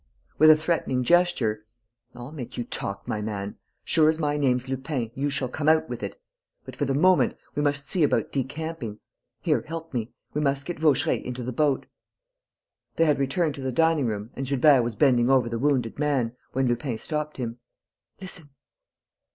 With a threatening gesture, "I'll make you talk, my man. Sure as my name's Lupin, you shall come out with it. But, for the moment, we must see about decamping. Here, help me. We must get Vaucheray into the boat...." They had returned to the dining room and Gilbert was bending over the wounded man, when Lupin stopped him: "Listen."